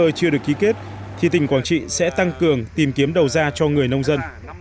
nếu chưa được ký kết thì tỉnh quảng trị sẽ tăng cường tìm kiếm đầu ra cho người nông dân